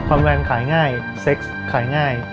แวนขายง่ายเซ็กซ์ขายง่าย